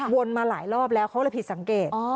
มาหลายรอบแล้วเขาเลยผิดสังเกต